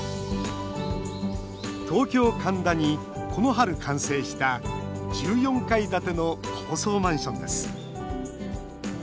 東京・神田にこの春、完成した１４階建ての高層マンションです。